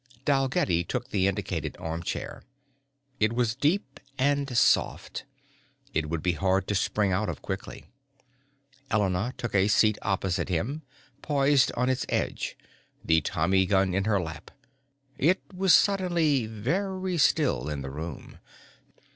_" Dalgetty took the indicated armchair. It was deep and soft. It would be hard to spring out of quickly. Elena took a seat opposite him, poised on its edge, the tommy gun in her lap. It was suddenly very still in the room.